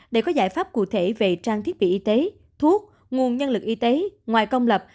để có giải pháp cụ thể về trang thiết bị y tế thuốc nguồn nhân lực y tế ngoài công lập